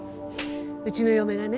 うちの嫁がね